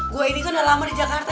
gue ini kan udah lama di jakarta